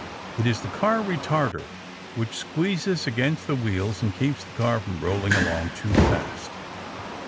It is the car retarder which squeezes against the wheels and keeps the car from rolling along too fast.